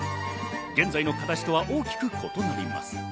現在の形とは大きく異なります。